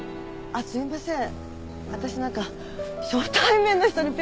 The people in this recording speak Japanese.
あっすいません。